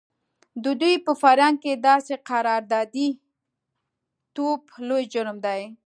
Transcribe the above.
د دوی په فرهنګ کې داسې قراردادي توب لوی جرم دی.